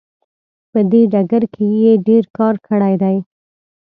په دې ډګر کې یې ډیر کار کړی دی.